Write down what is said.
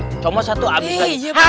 kecomot satu habis lagi